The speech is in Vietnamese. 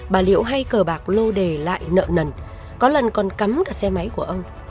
bà liễu hay cờ bạc lô đề lại nợ nần có lần còn cắm cả xe máy của ông